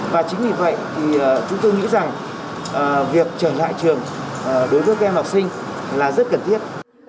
và chính vì vậy thì chúng tôi nghĩ rằng việc trở lại trường đối với các em học sinh là rất cần thiết